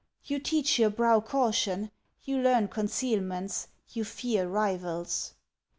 You teach your brow caution. You learn concealments. You fear rivals!